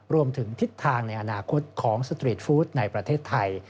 รวมถึงทิศทางในอนาคตของสตรีทฟู้ดในประเทศไทย